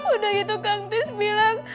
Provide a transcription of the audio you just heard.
udah gitu kang tips bilang